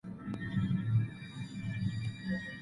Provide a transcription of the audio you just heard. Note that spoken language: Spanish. Viajó por Turquestán, Persia y Siria, y peregrinó a La Meca.